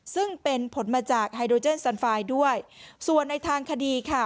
ซึ่งเป็นผลมาจากไฮโดรเจนซันไฟล์ด้วยส่วนในทางคดีค่ะ